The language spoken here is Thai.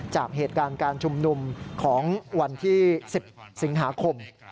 จากเหตุการณ์การชุมนุมของวันที่๑๐สิงหาคม